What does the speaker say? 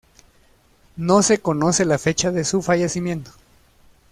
No se conoce la fecha de su fallecimiento.